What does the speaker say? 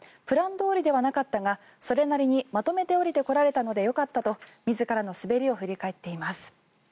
プランどおりではなかったがそれなりにまとめて下りてこられたのでよかったと自らの滑りを振り返っています。